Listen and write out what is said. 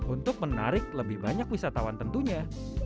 untuk menarik lebih banyak wisatawan tentunya